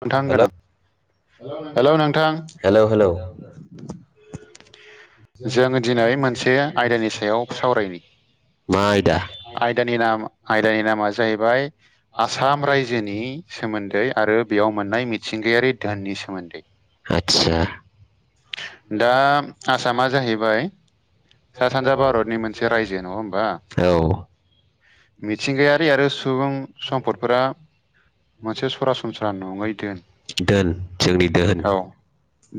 [unintelligible] Hello गोनां hello नोंथां hello hello जोङो दिनै मोनसे आयदानि सायाव सावरायनि मा आयदा आयदानि नाम आयदानि नामा जाहैबाय आसाम रायजोनि सोमोन्दै आरो बेयाव मोननाय मिथिंगायारि धोननि सोमोन्दै आदसा दा आ सामा जाहैबाय सा सानजा भारतनि मोनसे रायजो नङा होमबा? औ मिथिंगायारि आरो सुबुं सम्पदफोरा मोनसे सरासनस्रा फ्रा नंगा दोन दोन जोंनि दोहोन औ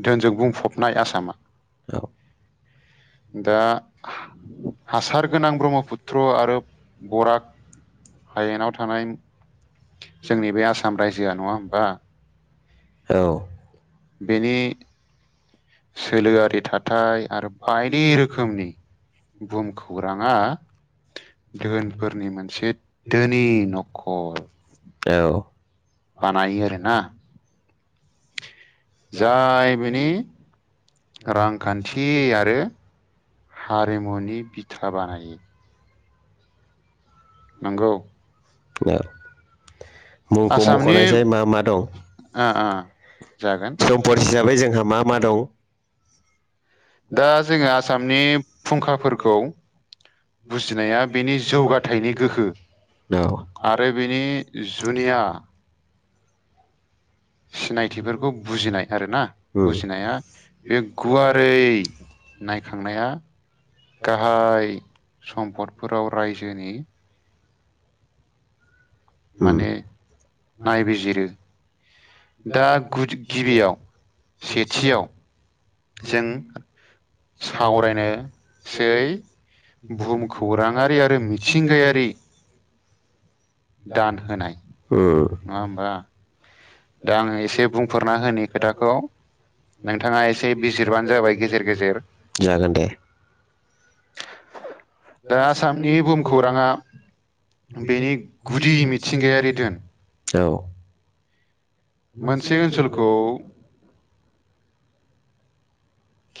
दोनजों बुंफबनाय आसामा औ दा हासार गोनां ब्रह्मपुत्र आरो बराग हायेनआव थानाय जोंनि बे आसाम रायजोआ नङा बा औ बेनि सोलोआरि थाथाय आरो बायदि रोखोमनि बुहुम खौराङा दोहोनफोरनि मोनसे धोनि न'खर औ बानायो आरोना जाय बिनि रांखान्थि आरो हारिमुनि बिथा बानायो नंगौ औ मुंखौ आसामनि मख'नायसाय मा मा दं? ओ ओ जागोन सम्पद हिसाबै जोंहा मा मा दं? दा जोङो आसामनि फुंखाफोरखौ बुजिनाया बेनि जौगाथायाइनि गोहो। औ आरो बिनि जुनिया सिनायथिफोरखौ बुजिनाय आर ना उम बुजिनाया बे गुवारै नायखांनाया गाहाय सम्पदफोराव रायजोनि उम माने नायबिजिरो। दा गुदि -गिबियाव, सेथियाव जों सावरायनोसै बुहुम खौराङारि आरो मिथिंगायारि। दान होनाय उम नङा होमबा? दा आङो एसे बुंफोरना होननि खोथाखौ नोंथाङा एसे बिजिरबानो जाबाय गेजेर -गेजेर। जागोन दे दा आसामनि बुहुमखौराङा बेनि गुदि मिथिंगायारि दोन। औ मोनसे ओनसोलखौ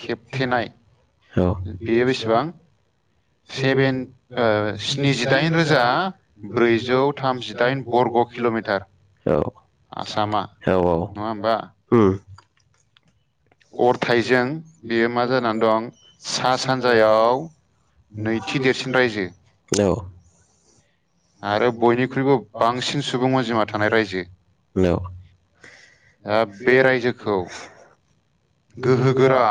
दिन्थिनाय बियो बेयो बिसिबां बेसेबां सेभेन स्निजिदाइन रोजा ब्रैजौ थामजिदाइन ब औ औ आसामा औ नङा होमबा अम। अरथाइजों बेयो मा जानानै दं सा-सानजायाव नैथि देरसिन रायजो। आरो बयनिख्रुइबो बांसिन सुबुं अनजिमा थानाय रायजो। ओ बे रायजोखौ गोहोगोरा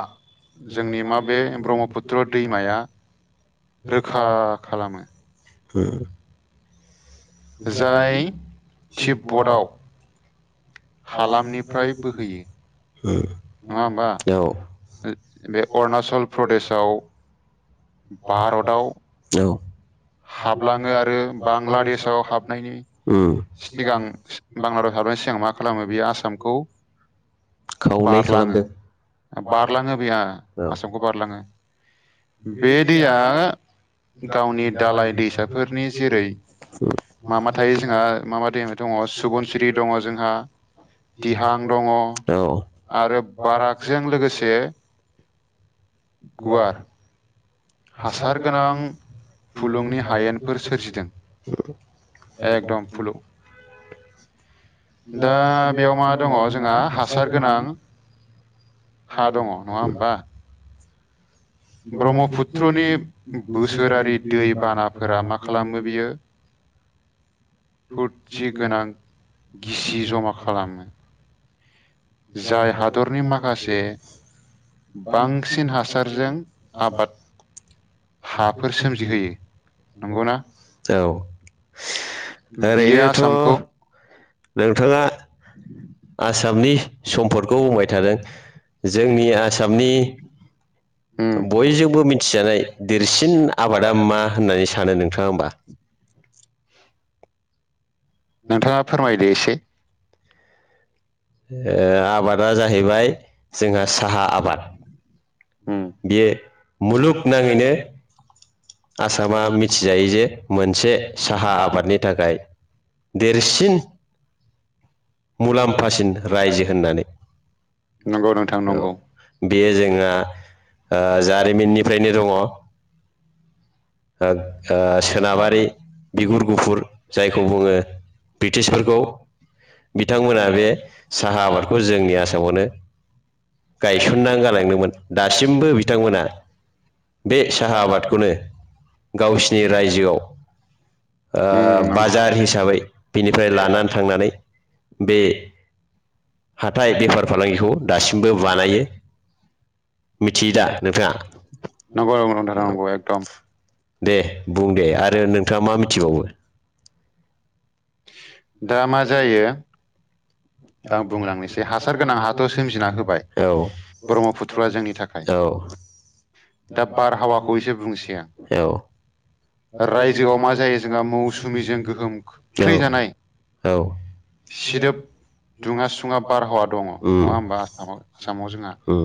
जोंनि माबे ब्रह्मपुत्र दैमाया रोखा खालामो। ओ। जाय तिपबर्डआव मालानिफ्राय बोहैयो नङा नङा होमबा होनबा? बे अरुणाचल प्रदेशआव। भारत भारताव आव औ। हाबलाङो आरो बांलादेशआव हाबनायनि उम सिगां बांलाद हाबनायनि सिगां मा खालामो बेयो आसामखौ। खावनै बारलाङो खालामदों। बारलाङो बेैया औ आसामखौ बारलाङो। बे दैया गावनि दालाय दैसाफोरनि जेरै- मा-मा थायो जोंहा मा-मा दैमा दङ सुबुनसिरि दं दङ जोंहा। दिहां दङ औ आरो बारागजों लोगोसे। गुवार। हासार गोनां फुलुंनि हायेनफोर सोरजिदों। एकदम फुलुग। दा बेयाव मा दङ जोंहा हासार गोनां। हा दङ नङा होमबा। ब्रह्मपुत्रनि बोसोरारि दैबानाफोरा मा खालामो बियो। फुदसि गोनां गिसि जमा खालामो। जाय हादरनि माखासे बांसिन हासारजों आबाद। नाफोर हाफोर सोमजिदों सोमजिहोयो नंगौ ना? नंगौना औ। बियो ओरैनोथ' आसामखौ नोंथाङा। आसामनि सम्पदखौ बुंबाय थादों जोंनि आसामनि उम बयजोंबो मिथिजानाय देरसिन आबादा मा होननानै सानो नोंथाङा होमबा। नोंथाङा फोरमायदो एसे। ओ आबादा जाहैबाय जोंहा साहा आबाद। उम बेयो मुलुगनाङैनो। आसामा मिथिजायो जे मोनसे साहा आबादनि थाखाय। देरसिन। मुलाम्फासिन रायजो होननानै। नंगौ नोंथां औ नंगौ बेयो जोंहा ओ जारिमिननिफ्रायनो दङ। ओग ओ सोनाबारि बिगुर गुफुर जायखौ बुङो ब्रिटिस ब्रिटिशफोरखौ फोरखौ। बिथांमोना बे साहा आबादखौ जोंनि आसामावनो। गायसननानै गालांदोंमोन दासिमबो बिथांमोना। बे साहा आबादखौनो गावसिनि रायजोआव। ओ उम बाजार हिसाबै बिनिफ्राय लानानै थांनानै। बे। हाथाय बेफार फालांगिखौ दासिमबो बानायो। मिथियो दा नोंथाङा नंगौ-नंगौ नोंथां औ एकदम। दे बुं दे आरो नोंथाङा मा मिथिबावो? दा मा जायो। आं बुंलांनोसै हासार गोनां हाथ' सोमजिना होबाय औ ब्रह्पुत्रआ जोंनि थाखाय। औ [unintelligible] [unintelligible] दा बारहावाखौ एसे बुंसै आं औ। रायजोआव मा जायो जोंहा मौसुमिजों गोहोम औ। औ। सिदोब [unintelligible] दुङा सुङा बारहावा दङ नङा होमबा आसामाव आसामाव जोंहा उम‌-उम।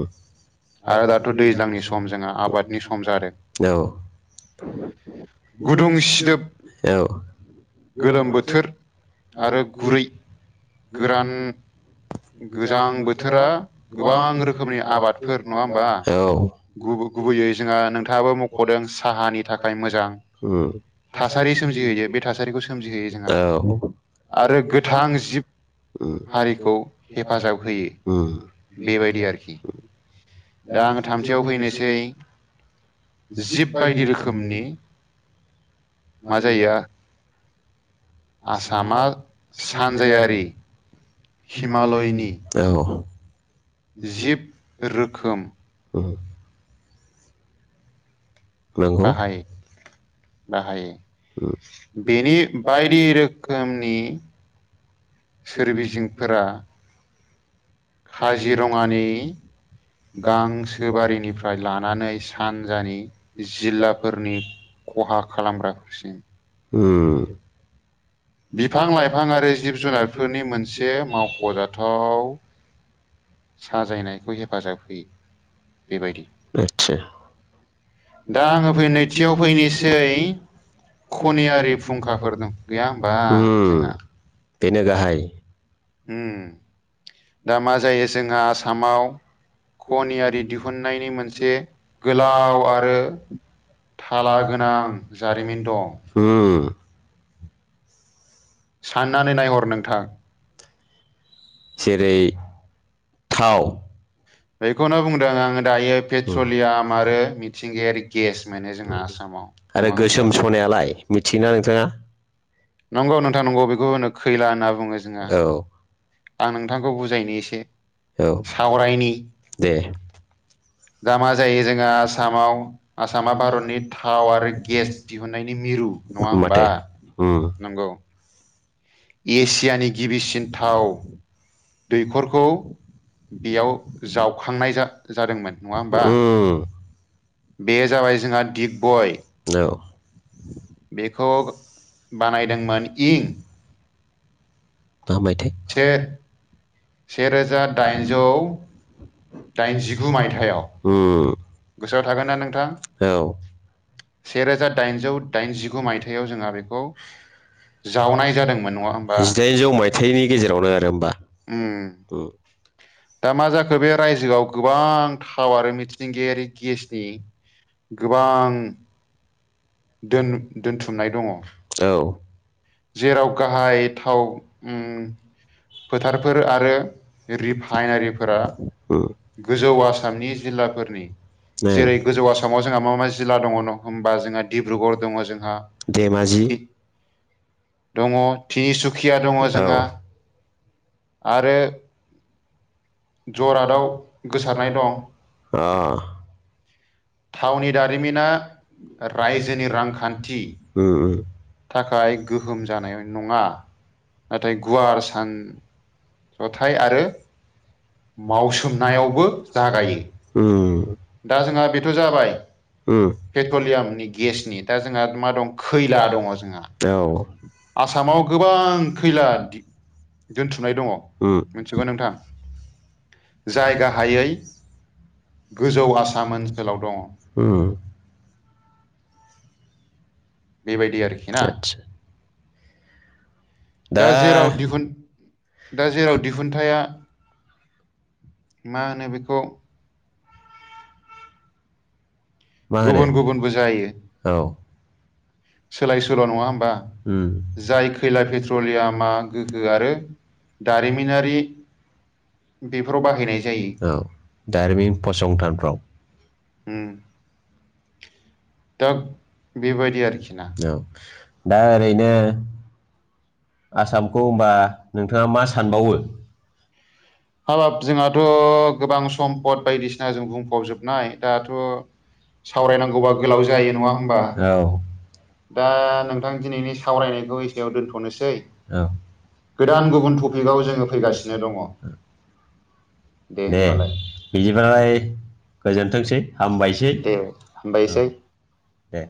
आरो दाथ' दैलांनि सम जों आबादनि सम औ। गुदुं सिदोब औ। गोलोम बोथोर आरो गुरै गोरान। गोजां बोथोरा गोबां रोखोमनि आबादफोर नङा होमबा औ। गुब जोंहा नोंथाङाबो मख'दों साहानि थाखाय मोजां थासारि सोमजिहोयो बे थासारिखौ सोमजिहोयो जोंहा सोमजिहो औ आरो गोथां जिब हारिखौ हेफाजाब होयो ओ बेबायदि आरो दा आं आङो थामथियाव सान्सेयाव फैनोसै फैनोसै जिब बायदि रोखोमनि मा जायो [unintelligible] आसामा सानजयारि सानजायारि हीमालनि हिमालयनि औ जिब रोखोम अ नंगौ उम बाहायो बेनि बायदि रोखोमनि सोरबिजिंफोरा काजिरङानि गांसोबारिनिफ्राय लानानै सानजानि जिल्लाफोरनि खहा खालामग्रा [unintelligible] ओ बिफां लाइफां आरो जिब जुनारफोरनि मोनसे मावख'जाथाव साजायनायखौ हेफाजाब होयो बेबायदि आतसा दा आं आङो फै नैथियाव फैनायथियाव फैनोसै खनियारि उम फुंखाफोर दं गैया होमबा बेनो गाहाय उम दा मा जायो जोंहा आसामाव खनियारि दिहुननायनि मोनसे गोलाव आरो थाला गोनां जारिमिन दं उम साननानै नायहर नोंथां ए जेरै थाव बेखौनो बुंदों आङो दायो पेट्रलियाम आरो मिथिंगायारि गेस मोनो जोंहा आसामाव आरो नङा होमबा गोसोम सनायालाय मिथियोना नोंथाङा [unintelligible] नंगौ बेखौ होनो खैला होनना बुङो जोंहा औ आं नोंथांखौ बुजायनो एसे औ सावरायनि दे दाामा जायो जोंहा आसामाव आसामा भारतनि थाव आरो गेस दिहुनन्नायनि मिरु नङा होमबा उम नंगौ एसियानि गिबिसिन थाव दैफोरखौ दैखरखौ बेयाव जावखांनाय जादोंमोन नङा होमबा बे जाबाय जोंहा दिगबय औ बेखौ बानायदोंमोन इं मा माइथाय से सेरोजा दाइनजौ दाइनजिगु मायथाइयाव उम गोसोआव थागोन ना नोंथां औ सेरोजा दाइनजौ दाइनजिगु मायथायाइयाव जोंहा बेखौ जावनाय जादोंमोन नङा होमबा जिाइनजौ मायथाइनि गेजेरावनो आरो होमबा उम दा मा जाखो बे रायजोआव गोबां थाव आरो मिथिंगायारि गेसनि गोबां दोनथुमनाय दङ औ जेराव गाहाय थाव उम फोथारफोर आरो आरो रिफाइनारिफोरा उम गोजौ आसामनि जिल्लाफोरनि जेरै गोजौ आसामाव जोंहा माबा मा जिल्ला दङ होनोमबा जोंहा डिब्रुगर दङ जोंहा थि दङ तिनसुखकया दङ आरो जरहाटआव जरहातआव गोसारनाय गोसारानाय दं ओ थावनि दारिमिना रायजोनि रांखान्थि उम थाखाय गोहोम जानाय नङा नाथाय गुवार सान जथाय आरो मावसोमनायावबो जागायो। दा जोंहा बेथ जाबाय पेट्रलियाम गेसनि दा जोंना मा दं खैला दङ जोंना आसामाव गोबां खैला दोनथिुमनाय दङ मिथिगोन नोंथां। जाय जायगाहायै गाहायै गोजौ आसाम ओनसोल उम बेबायदि आरोखि ना दा जेराव दिहुन दा जेराव दिहुनथाइआ मा होनो बेखौ मा गुबुन गुबुनबो जायो। होनो सोलाय सोल' नङा होमबा जाय खैला पेट्रलियामा गोहो आरो दारिमिनारि दारिमनारि [unintelligible] बे बाहनाय जायो। औ दारिमिन फसंथानफोराव। ओम औ बेबायदि आरोखि ना दा ओरैनो आसामखौ होनबा नोंथाङा मा सानबावो? [unintelligible] हाबाब जोंहाथ' गोबां सम्फद बायदिसिना जों बुंफबजोबनाय दाथ' सावरायन गोबां गोलाव जायो नङा होनबा। दा नोंथां दिनैनि सावरायनायखौ एसे दोनथ'नोसै। गोदान गुबुन टपिकआव जोङो फैगासिनो दङ । दे बिदिब्लाय गोजोनथोंसै हामबायसै दे हामबायसै दे।